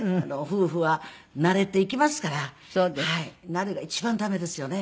慣れが一番駄目ですよね。